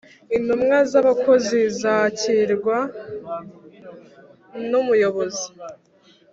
Intumwa z’ abakozi zakirwa n’ umuyobozi